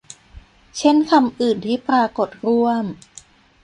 เช่นคำอื่นที่ปรากฏร่วม